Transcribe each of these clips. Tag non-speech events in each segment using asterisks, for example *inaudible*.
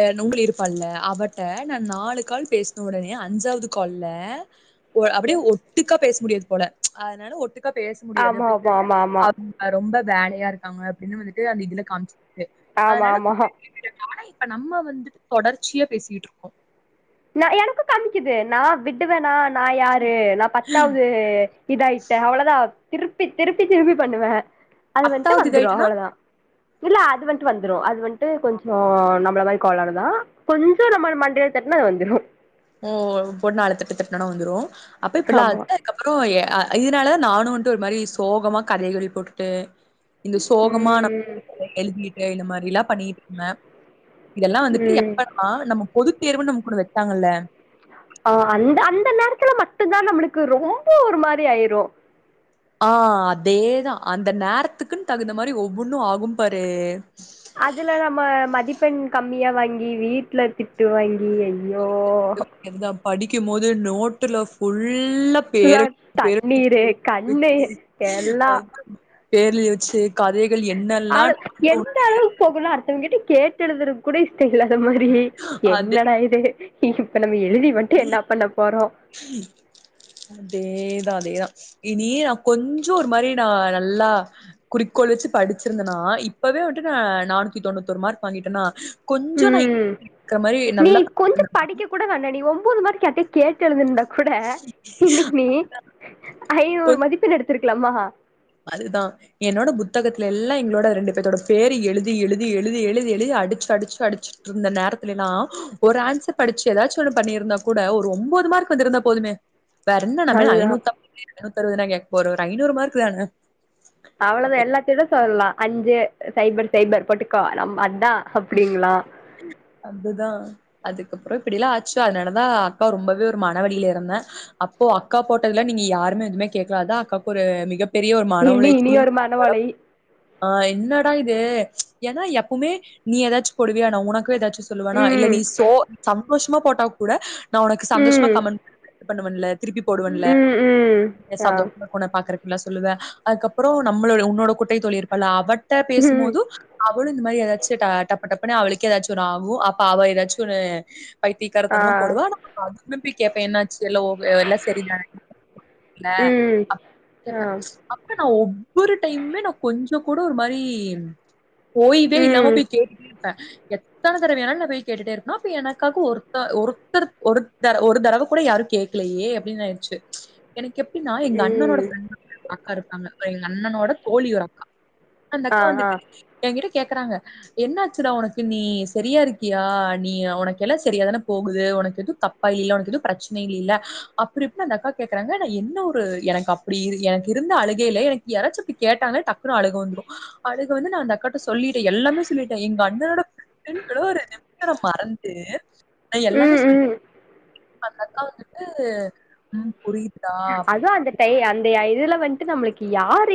அஹ் நுங்ளி இருப்பால்ல அவட்ட நா நாலு கால் பேஸ்ன ஒடனே அஞ்சாவது கால்ல வ அப்டியே ஒட்டுக்கா பேஸ முடியாது போல ச் அதுனால ஒட்டுக்கா பேஸ முடியாது ஆமா அப்டின்னு ஆமா சொல்ட்டு ஆமா அ ரொம்ப வேலயாருக்காங்க அப்டின்னு வந்துட்டு அந்த இதுல காம்ச் ஆமா ஆமா இப்ப நம்ம வந்துட் தொடர்ச்சியா பேசிய்ட்ருக்கோ நா எனக்கு காமிக்குது நா விடுவெனா நா யாரு நா பத்தாவ்து இதாய்ட்ட அவ்ளோதா திர்ப்பி திருப்பி திருப்பி பண்ணுவே அது வன்ட்டு பத்தாவது வந்துரு இதாயிட்டுன்னா அவ்ளதா இல்ல அது வன்ட்டு வந்துரு அது வன்ட் டு கொஞ்சோ நம்ள வைப் கோளாரு தா கொஞ்சோ நம்மள் மண்டய தட் னா வந்துரு ஓ பொண் நாலு தட்டு தட்னோனா வந்துரு அப்ப இப்பில்லா *inaudible* ஆமா அதுக்கப்பறோ ஏ அ இதுனாலதா நானு வன்ட்டு ஒரு மாறி சோகமா *unintelligible* போட்டுட்டு இந்த சோகமா நம்ம ம் *inaudible* எழுதிட் டு இந்த மாறிலா பண்ணிக்ட்ருந்தே இதல்லா வந்துட்டு ம் எப்பன்மா நம்ம பொதுத் தேர்வுன்னு நமுக் ஒன்னு வெப்பாங்கல்ல அ அந்த அந்த நேரத்துல மட்டுந்தா நம்ளுக்கு ரொம்ப ஒரு மாறி ஆய்ரூ ஆ அதேதா அந்த நேரத்துக்குன்னு தகுந்த மாறி ஒவ்வொன்னு ஆகு பாரு அதுல நம்ம மதிப் பெண் கம்மியா வாங்கி வீட்ல திட்டு வாங் கி ஐயோ படிக்கிம் மோது நோட்டுல ஃபுல்லா ஃபுல்லா பேர் எழுதி பேர் எழுதி தண்ணீரு கண்ணு எல்லா பேரெழுதி வெச்சுட்டு கதைகள் என்னெல்லா *inaudible* த்தவங்க கிட்ட கேட்டெழுதுறக்கு கூடெ இல்லாத மாதிரி அதே என்னடா இது ஈசி இப்ப நம்ம எழுதி மட்டு என்னா பண்ண போறோ அதே தா அதே தா இனி நா கொஞ்சோ ஒரு மாறி நா நல்லா குறிக்கோள் வச்சு படிச்சிர்ந்தனா இப்பவே வன்ட்டு நா நானூத்தி தொண்ணூத்தொரு மார்க் வாங்கிட்டனா உம் நீ கொஞ்சோ படிக்க கூட வேணாடி ஒம்போது மார்க் யார்டா கேட்டெழுதிற்ந்தா கூட இன்னைக்கு ஐநூறு கொஞ்ச மதிப்பெண் எடுத்திருக் குலாமா அதுதா என்னோட புத்தகத்துல எல்லா எங்களோட ரெண்டு பேர்த்தோட பேர எழுதி எழுதி எழுதி எழுதி எழுதி அடிச்சு அடிச்சு அடிச்சுட்ருந்த நேரத்துலிலா ஒரு ஆன்சர் படிச்சு எதாச்சு ஒண்ணு பண்ணியிருந்தா கூட ஒரு ஒம்போது மார்க் வந்துருந்தா போதுமே வேற என்ன நம்ம அதுதா *inaudible* து அறுவதுனா கேக்க போற ஒரு ஐநூறு மார்க்தானே அவளதா எல்லாத்தோட சொல்லலா அஞ்சு சைபர் சைபர் போட்டுக்கோ நம்ம அதா அப்டிங்களா அதுதா அதுக் கப்பற இப்படிலா ஆச்சு அதனாலதா அக்கா ரொம்பவே ஒரு மன வலில இருந்த அப்போ அக்கா போட்டதுல நீங்க யாருமே எதுமே கேக்ல அதா அக்காவுக்கு ஒரு மிக நீ நீ ஒரு மன ஒளை ஆ என்னடா இது ஏன்னா எப்பமே நீ எதாச்சு போடுவியா நா உனக்கு எதாச்சு சொல்லுவனா இல்ல ம் நீ சோ சம் மோஷ்மா போட்டா கூட நா ஒனக்கு சந்தோஷ்மா ம் கமென் *inaudible* பண்ணுவன்ல திருப்பி போடுவன்ல ம் ம் ஆ சந்தோஷமா உன்ன பாக்குறத்க்கு சொல்லுவ அதுக்கப்புறம் நம்மளோட உன்னோட குட்டை தோழி இருப்பல்ல அவ ட ம் பேசும்போது அவளு இது மாரி எதாச்சு ட்டு டப்பு டப்புன்னு அவளுக்கே ஏதாச்சு ஒன்னு ஆகும் அப்ப அவ ஏதாச்சு ஒன்னு ஆ பைத்தீக்காரத்தனமா போடுவா நம்ம அது நம்பி கேப்ப என்னா எல்லோ எல்லா செரிதா ம் ஆ அப்ப நா ஒவ்வொரு டைமுமே நா கொஞ்ச இப்ப கூட ஒரு மாரி ஓய்வே இல்லாம ம் பேய் கேட்டுட்டே இருப்பே எத்தன தடவையானாலும் நான் போய் கேட்டுட்டே இருப்பே அப்ப எனக்காக ஒருத்த ஒருத்தர் ஒருத்தர ஒரு தடவ கூட யாரும் கேட்கலையே அப்படின்னு ஆயிடுச்சு எனக்கு எப்டினா எங்க அண்ணனோட ம் ஃப்ரெண்ட் *inaudible* அக்கா இருப்பாங்க அப்பறோ எங்க அண்ணனோட தோழி ஓட அக்கா அந் ஆ அக்கா ஆ வந்துட்டு என்கிட்ட கேக்கறாங்க என்னாச்சுடா உனக்கு நீ சரியா இருக்கியா நீ உனக்கெல்லா சரியாதானே போகுது உனக்கு எதுவு தப்பா இல்லஉனக்கு எதுவு பிரச்சனை இல் இல்ல அப்படி இப்படி அந்த அக்கா கேக்குறாங்க நா என்ன ஒரு எனக்கு அப்படி எனக்கு இருந்த அழுகைல எனக்கு யாராச்சு அப்படி கேட்டாங்கன்ன டக்குனு அழுக வந்துடு அழுக வந்து அந்த அக்காகிட்ட சொல்லிட்டே எல்லாமே சொல்லிட்ட எங்க அண்ணனோட ஃப்ரெண்ட்னு கூட ஒரு நிமிஷ மறந்து நா எல்லாமே ம் சொல்ட்ட ம் அந்த அக்கா வந்துட்டு உம் புரிய அதுவு அந்த டை அந்தயய் இதுல வந்ட்டு நம்ளுக்கு யார்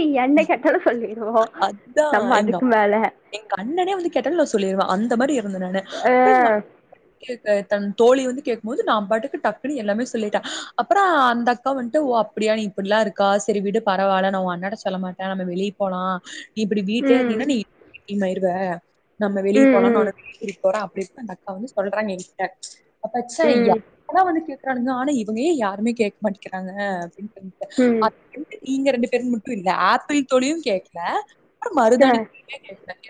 அத்தா நம்ம எங்க அதுக்கு அப் மேல எங்க அண்ணனே வந்து கேட்டாலு நா சொல்லிருவே அந்த அந்தமாரி வந்த நானு ஆ *inaudible* தன் தோழி வந்து கேக்மோது நா பாட்டுக்கு டக்குன்னு எல்லாமே சொல்லிட்டே அப்பறோ அந்த அக்கா வன்ட்டு ஓ அப்டியா நீ இப்டிலா இருக்கா சேரி விடு பரவாயில்ல நா ஓ அண்ணன்ட சொல்ல மாட்டே நம்ம வெளிய போலா இப்டி வீட்லயே ம் இருந்தீன்னா நீ இன்னாயிருவே நம்ம வெளிய ம் போலா ம் நானு *inaudible* வெளி போற அப் அப்டின்னு அந்த அக்கா வந்து சொல்றாங்க என்கிட்ட அப்பாச்சே ம் யாரோ வந்து கேக் இருக்கானுங்க எதுமே யாருமே கேட்க மாட்டேங்கூறாங்க அப்டினு ம் நீங்க ரெண்டு பேரும் இல்ல ஆப்பிள் தோழியு கேக்கல ஆ மருதாணி *inaudible*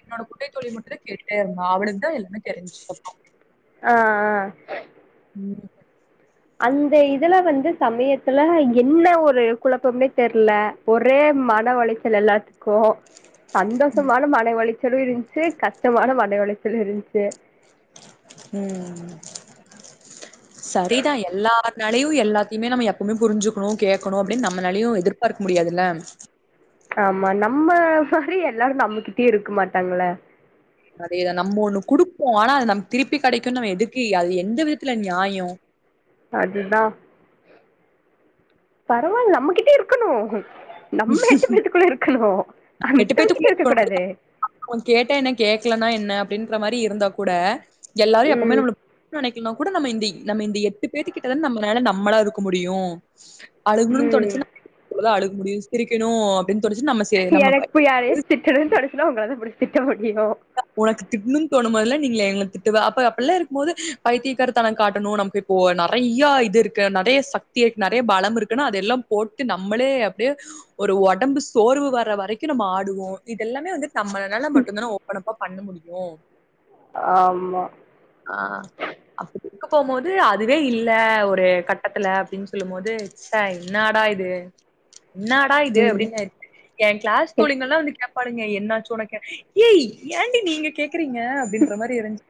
என்னோட குட்டை தோழி மட்டுதா கேட்டுடே இருந்தா அவளுக் தா எல்லாமே தெரிஞ்சிருக்கோ ஆஹ் ஆஹ் உம் அந்த இதுல வந்து சமயத்துல என்ன ஒரு குழப்பம்னே தெர்ல ஒரே மன உளைச்சல் எல்லாத்துக்கு கோ சந்தோஷமான மன ச்சலு இருச்சி கஷ்டமான மன ஒளைச்சலு இருச்சி உம் சரிதா எல்லார் நாலேயு எல்லாத்தையுமே நம்ம எப்பவுமே புரிஞ்சுக்கனோ கேட்கனோ அப்டின்னு நம்மளாலயு எதிர்பாக்க முடியாதுல்ல ஆமா நம்ம மாரி எல்லாரு நம்மகிட்டே இருக்க மாட்டாங்ள அதேதா நம்ம ஒன்னு குடுப்போ ஆனா அது நமக்கு திருப்பி கெடைக்கும்னு நம்ம எதுக்கு அது எந்த விதத்துல நியாயோ அதுதா பரவாயில்ல நம்மகிட்டே இருக்கணு நம்ம எட்டுபேத்துக்குள்ள இருக்கணு மத்தவங்ககிட்ட பேத்துக்குள்ள இருக்க இருக்கணும். கூடாது அதுக்கு அவன் கேட்டா என்ன? கேட்கலன்னா என்ன அப்டின்ற மாரி இருந்தா கூட எல்லாரு எப்பவுமே ம் நம்ம நெனப் இன்னோ கூட நம்ம இந்தி நம்ம இந்தி எட்டு பேத்து கிட்ட தான நம்மலால நம்மளா இருக்க முடியு அழுகுனும்னு ம் தோணுச்சினா அழு முடிவு இருக்கனு அப் எனக்கு இப்ப யாரையோ திட்டனும்னு தோணுச்சுன்னா உங்கள தா புடிச் சிட்டப் உனக்கு திட்னுன்னு தோணும்போதுலா நீங்கள ங்கள திட்டுவ அப்ப அப்பல்லா இருக்கும்மோது பைத்தியகாரத்தனங் காட்டணு நமக்கு இப்போ நறையா இது இருக்கு நறைய சக்தி இருக் நறைய பலம் இருக்குனா அதெல்லாம் போட்டு நம்மளே அப்டே ஒரு ஒடம்பு சோர்வு வர்ற வரைக்கு நம்ம ஆடுவோ இதெல்லாமே வந்து நம்மல்னால மட்டுந்தான ஒ அப்பனப்பா பண்ண முடியும் ஆமா ஆஹ் *inaudible* போது அதுவே இல்ல ஒரு கட்டத்துல அப்டின் சொல்லும்மோது ச்ச என்னாடா இது என்னாடா இது அப்டின்னு ம் என் கிளாஸ் தோழிங்கல்லா வந்து கே பாளுங்க என்னச்சு ஒனக்கு ஏய் ஏண்டி நீங்க கேக்குறீங்க அப்படின்ற மாரி இருஞ்ச்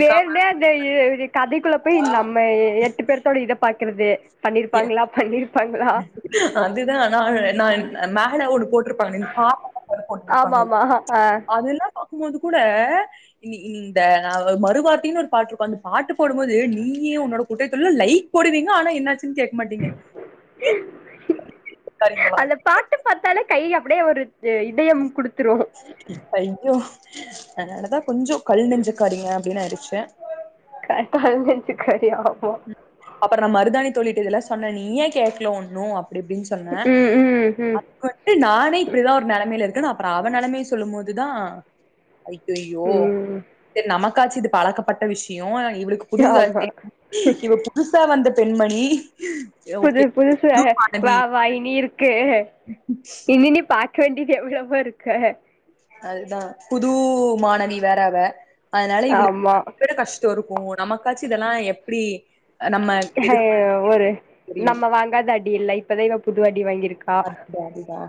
வேனுனே அதயே கதை குள்ள போய் நம்ம எட்டு பேரத்தோட இத ப பாக்கறது அதுதா நா நா அ மேல ஒடு போட் ஆமாமா ஹ பாகும்மோது கூட இனி இனிந்த மறுவார்த்தைனு ஒரு பாட்டுருக்கு அந்த பாட்டு போடும்மோது நீயே உன்னோட குட்டை தொழ்ல லைக் போடுவீங்க ஆனா என்னாச்சு *unintelligible* அந்த பாட்டு பாத்தாலே கை அப்டே ஒரு து இதயம் குடுத்துருவோ ஐயோ அதனாலதா கொஞ்சோ கல் நெஞ்சுக்காரீங்க அப்படின்னு ஆயிடுச்சு கா கல் நெஞ்சு காரியா அப்பற நா மருதானி தோழிட்ட இதுலா சொன்ன நீ ஏன் கேக்கல ஒண்ணு அப் அப்டிப்டின்னு சொன்ன ம் ம் ம் அப் வன்ட்டு நானே இப்படிதா ஒரு நெலமைல இருக் ட்டு நா அப்பற அவ நலமைய சொல்லும் மோதுதா ஐயய்யோ ம் சரி நமக்காச்சிது பழக்கப்பட்ட விஷியோ இவளுக்கு புதுசா ஆமா இவ புதுசா தா அந்த பெண்மணி புது ஓகே புதுசு புது வா மாணவி வா இனி இருக்கு இனி நி பா க்க வேண்டிது எவ்வளவோ இருக்கு அதுதா புதூ மாணவி வேற அவ அதுனால இவளுக் ஆமா விட கஷ் தோருக்கு நமக்காச்சி இதெல்லா எப்டி நம்ம எடுத்து ஒரு புரியும் நம்ம வாங்காத அடி இல்ல இப்பதா இவ பு து அடி வாங்கி அத்தா அதுதா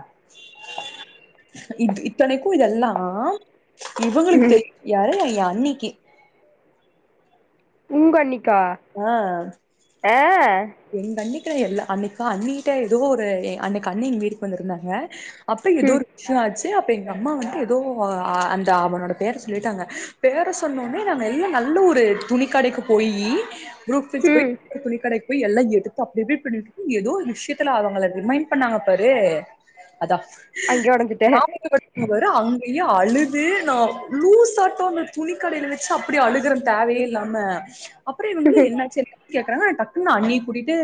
இத் இத்தனைக்கு இதெல்லா இவங்களுக்கு ம் தெரியு யாரு அய்யா அண்ணிக்கி உங்கண்ணி கா ஆ ஆ எங்க அண்ணிக்கு எல்லா அன்னைக்கா அண்ணிட்ட எதுவோ ஒரு எ அன்னைக்கு அண்ணி எங்க வீட்டுக்கு வந்திருந்தாங்க அப்ப ஏதோ ம் ஒரு விஷ்யோ ஆச்சு தே அப்டிங்றா எங்க அம்மா வந்துட்டு ஏதோ ஆ அந்த அவனோட பேர சொல்லிட்டாங்க பேர சொன்னோனே நாங்க எல்லா நல்ல ஒரு துணிக்கடைக்கு போயி புரூக் ஃபீல்ட்ஸ் போய் ம் துணிக்கடை போய் எல்லா எடுத்து *unintelligible* ஏதோ ஒரு விஷ்யத்துல அவங்கள ரிமைண்ட் பண்ணாங்க பாரு அதா அங்கயே ஒடஞ்சுட்டே ஞாபகப்படுத்து பாரு அங்க ய்யா அழுது நா லூஸாட்டோ அந்த துணி கடைல வெச்சு அப்டி அழுகுறே தேவையே இல்லாம அப்புறோ இவுங்க எல்லா என்னாச்சு எ கேக்கறாங்க ஆ டக் னு அண்ணிய கூட்டிட்டு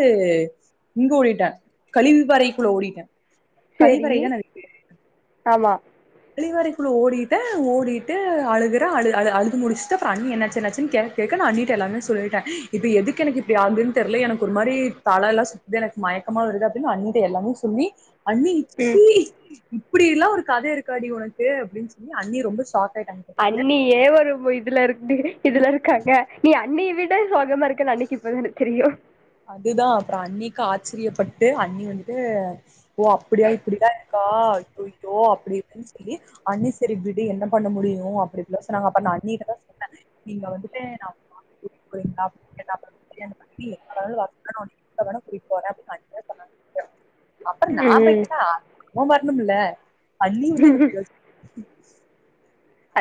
இங்க ஓடிட்டே கழிவு பாறைகுள்ள ஓடிட்டே சேரி கழிவறைதானே அதுக்கு பேரு ஆமா கழிவறைக்குள்ள ஓடிட்டே ஓடிட்டு அழுகுற அழு அழு அழுது முடிச்சுட்டு அப்பற அண்ணி என்னாச்சு என்னாச்சுனு கேக்க கேக்க நா அண்ணிட்ட எல்லாமே சொல்டே இது எதுக்கு எனக்கு இப்டி ஆகுதுன்னு தெர்ல எனக்கு ஒரு மாரி தலலா சுத்து எனக்கு மயக்கமா வருது அப்டின்னு அண்ணிட்ட எல்லாமே சொல்லி அண்ணி ம் ச்சி இப்பிடி எல்லா ஒரு கத இருக் காடி உனக்கு அப்டின்னு சொல்லி அண்ணி ரொம்ப சாக் அண்ணியே ஒரு இவ் இதுல இருக்ந்து இதுல இருக்காங்க நீ அண் ண்ணிய விட சோகமா இருக்கன்னு அண்ணிக்கு இப்பதா எனக்கு தெரியு அதுதா அப்புற அண்ணிக்கு ஆச்சிரியப்பட்டு அண்ணி வந்துட்டு ஓ அப்பிடியா இப்டிதா இருக்கா போய்க்கோ அப்டி இப்டின்னு சொல்லி அண்ணி செரி விடு என்ன பண்ண முடியு அப்டி பேசுனாங்க அப்பர் நா அண்ணிட்ட தா சொன்னே நீங்க வந்துட்டு *inaudible* அதாவது *inaudible* எங்க வேணா கூட்டிட்டு போறே *inaudible* அப்பற நா ம் பேய்ட்டனா அவ வரணுமில்ல அண்ணி வந்து என்ன *unintelligible*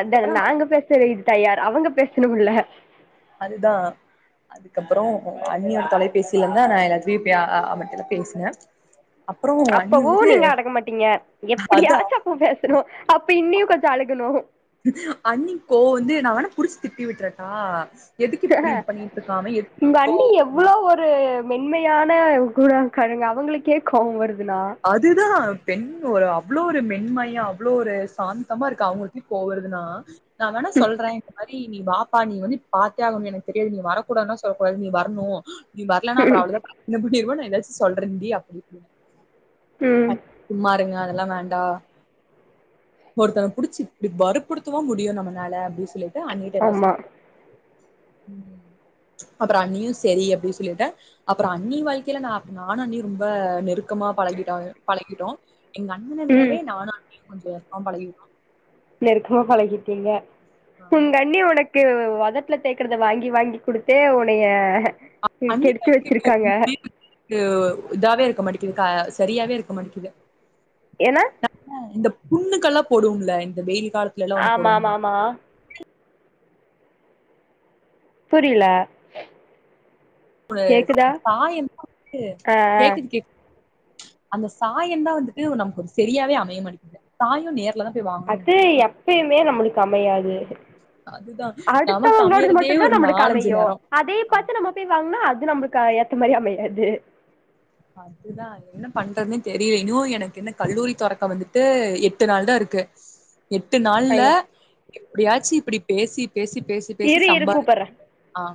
அதான அவ நாங்க பேசுற இது தயார் அவங்க பேசணும்ல அதுதா அதுக்கப்பறோ அண்ணியோட தொலைபேசிலிந்தா நா எல்லாத்துட்டயு *unintelligible* அவன்ட்டல்லா பேசுன அப்பவு நீங்க அடக்க மாட்டீங்க அதா எப்டியாச்சு அப்போ பேசணு அப்ப இன்னியு கொஞ்சோ அழுகணு அன்னிக்கோ வந்து நா வேனா புடிச்சு திட்டி விட்றட்டா எதுக்கு இப்டி இது பண்ணிட்ருக்கா அவன் உங்க எதுக்கிவ்ளோ அண்ணி எவ்ளோ ஒரு மென்மையான குனாக்காரங்க அவங்களுக்கே கோவோ வரு அதுதா பெண் ஒரு அவ்வளோ ஒரு மென்மயா அவ்வளோ ஒரு சாந்தமா இருக்க அவுங்களுக்கே கோவருதுனா நா வேணா ம் சொல்ற இந்த மாரி நீ வாப்பா நீ வந்து பாத்தே ஆகணு எனக்கு தெரியாது நீ வரக்கூடானா சொல்லக்கூடாது நீ வரணு நீ வர்லனா அப்றோ ம் அவ்ளோதா *unintelligible* தாச்சு சொல்றன்டி அப்டி ம் சும்மா இருங்க அத லா வேண்டா ஒருத்தன புடிச்சு இப்படி வருப்புடுத்தவா முடியு நம்மனால அப்டி சொ சொல்லிட்டு அன்னிட்ட எதா ஆமா *inaudible* அப்பறொ அன்னியு செரி அப்டி சொல்லிட்டு அப்பறொ அன்னி வாழ்க்கைல நா நானு அண்ணியு ரொம்ப நெருக்கமா பழகிடா பழகிடோ எங்கண்ணன ம் விடவே நானு அன்னியு கொஞ்ச அவன் பழகிட்டோ நெருருக்கமா பழகிட்டீங்க ஆமா. உங்கண்ணி உனக் க்கு வொதட்ல தேக்கறத வாங்கி வாங்கி குடுத்தே உன்னய *inaudible* கு இதாவே இருக்க மாட்டிக்குது க சரியாவே இருக்க மாட்டிக்குது ஏன்னா ந இந்த புண்ணுக்கல்லா போடும்ல இந்த வெயி ஆமா ஆமா ஆமா புரில உ சாயன் ஆ *inaudible* ஆ கேக்குது கேக்கு அந்த சாயன் தா வந்துட்டு நமக்கு ஒரு சரியாவே அமைய மாட்டிகுது சாயும் நே அது எப்பயுமே நம்மளுக்கு அமையாது நெனைக்கிறேன். அதுதான் நமக்கு அடுத்தவங்களோடது அமையறதே மட்டுுந்தா ஒரு நம்மளுக்கு அமையு நேரம். அதே அ பாத்து நம்ம போய் வாங்கனா அது து நம்மளுக்கு அ ஏத்த மாரி அமையாது அதுதா என்ன பண்றது தெரில இன்னு எனக்கு கல்லூரி தொறக்க வந்துட்டு எட்டு நாள் தா இருக்கு எட்டு நாள்ல ஐயோ ப்டியாச்சு இப்டி பேசி பேசி பேசி பேசி இரு இரு சம்பாத கூப்பட்றே ஆ